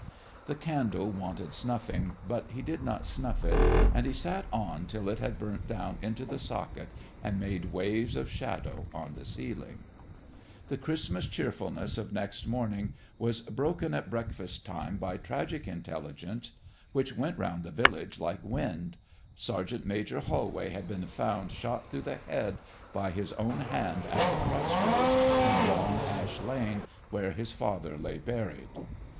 The candle wanted snuffing, but he did not snuff it, and he sat on till it had burnt down into the socket and made waves of shadow on the ceiling. The Christmas cheerfulness of next morning was broken at breakfast time by tragic intelligence which went down the village like wind. Sergeant Major Holway had been found shot through the head by his own hand at the cross roads in Long Ash Lane where his father lay buried.